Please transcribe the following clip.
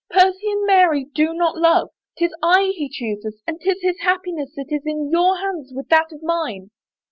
Percy and Mary do not love. 'Tis I he chooses and 'tis his happiness that is in your hands with that of mine."